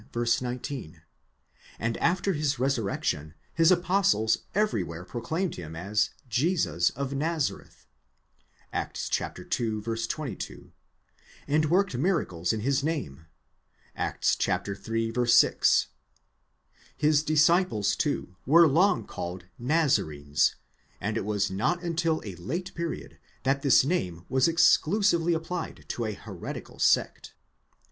19), and after his resurrection his apostles everywhere proclaimed him as Jesus of Nazareth (Acts ii. 22), and worked miracles in his name (Acts iii. 6). His disciples too were long called Nazarenes, and it was not until a late period that this name was exclusively applied to a heretical sect.